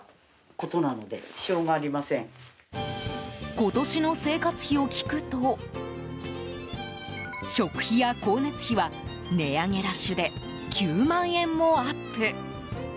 今年の生活費を聞くと食費や光熱費は値上げラッシュで９万円もアップ。